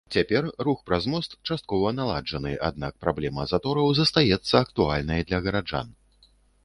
Цяпер рух праз мост часткова наладжаны, аднак праблема затораў застаецца актуальнай для гараджан.